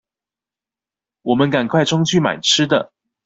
我們趕快衝去買吃的